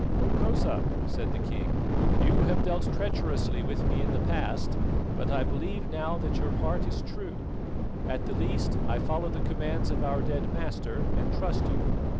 "Hokosa," said the king, "you have dealt treacherously with me in the past, but I believe now that your heart is true; at the least I follow the commands of our dead master and trust you.